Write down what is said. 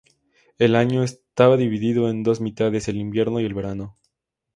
El año estaba dividido en dos mitades, el invierno y el verano.